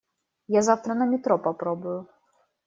Я завтра на метро попробую.